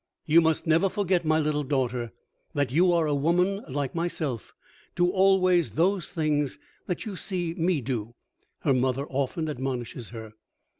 "You must never forget, my little daughter, that you are a woman like myself. Do always those things that you see me do," her mother often admonishes her.